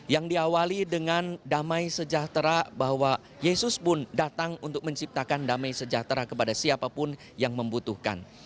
yang diawali dengan damai sejahtera bahwa yesus pun datang untuk menciptakan damai sejahtera kepada siapapun yang membutuhkan